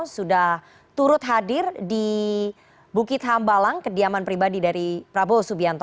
sudah turut hadir di bukit hambalang kediaman pribadi dari prabowo subianto